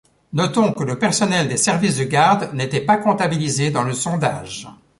Notons que le personnel des services de garde n'était pas comptabilisé dans le sondage.